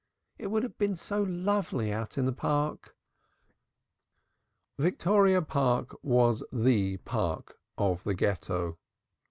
It would have been so lovely out in the Park." Victoria Park was the Park to the Ghetto.